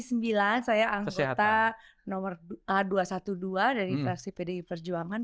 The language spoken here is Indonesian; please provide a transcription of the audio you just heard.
saya anggota nomor dua ratus dua belas dari fraksi pdi perjuangan